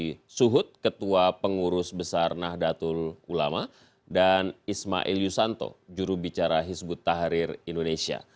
di suhud ketua pengurus besar nahdlatul ulama dan ismail yusanto jurubicara hizbut tahrir indonesia